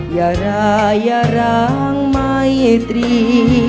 อย่าร้าอย่าร้างไม่ตรี